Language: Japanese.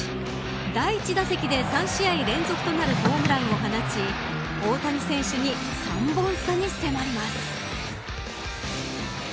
第１打席で、３試合連続となるホームランを放ち大谷選手に３本差に迫ります。